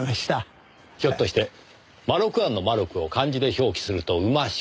ひょっとしてまろく庵の「まろく」を漢字で表記すると馬鹿。